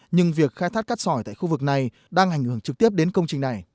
nhưng việc khai thác cát sỏi tại khu vực này đang ảnh hưởng trực tiếp đến công trình này